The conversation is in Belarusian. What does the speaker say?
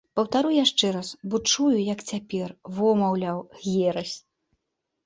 Паўтару яшчэ раз, бо чую, як цяпер, во, маўляў, ерась!